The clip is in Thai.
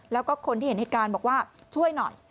แล้วก็คนที่เห็นเหตุการณ์บอกว่าช่วยหน่อย